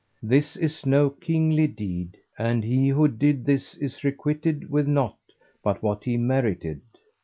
This be no kingly deed, and he who did this is requited with naught but what he merited.